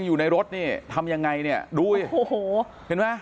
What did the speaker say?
อยู่ในรถทำยังไงเนี่ยดูเซยเพิ่มมา